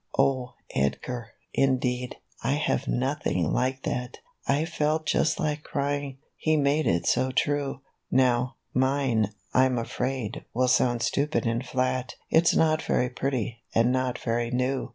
44 Oh, Edgar ! indeed, I have nothing like that ! I felt just like crying — he made it so true. How, mine, I'm afraid, will sound stupid and flat, It's not very pretty, and not very new.